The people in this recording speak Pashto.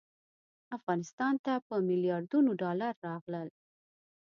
افغانستان ته په میلیاردونو ډالر راغلل.